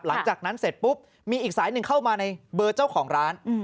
หลังจากนั้นเสร็จปุ๊บมีอีกสายหนึ่งเข้ามาในเบอร์เจ้าของร้าน